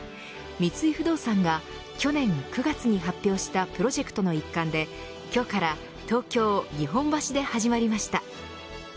三井不動産が去年９月に発表したプロジェクトの一環で今日から東京、日本橋で始まりました。